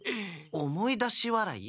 思い出し笑い？